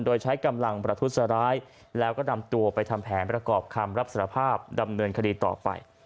โดยใช้กำลังประทุษร้ายแล้วก็นำตัวไปทำแผนประกอบคำรับสารภาพดำเนินคดีต่อไป